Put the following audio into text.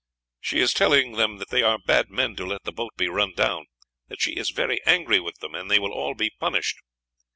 "She is telling them that they are bad men to let the boat be run down; that she is very angry with them, and they will all be punished."